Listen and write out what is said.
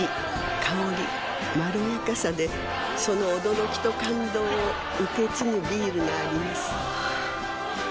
香りまろやかさでその驚きと感動を受け継ぐビールがあります